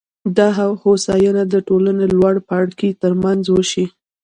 دا هوساینه د ټولنې لوړ پاړکي ترمنځ وېشي